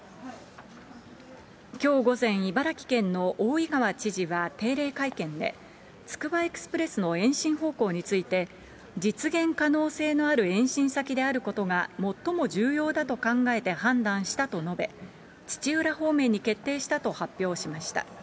きょう午前、茨城県の大井川知事は定例会見で、つくばエクスプレスの延伸方向について、実現可能性のある延伸先であることが最も重要だと考えて判断したと述べ、土浦方面に決定したと発表しました。